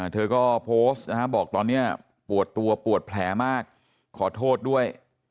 เธอก็โพสต์นะครับบอกตอนนี้ปวดตัวปวดแผลมากขอโทษด้วย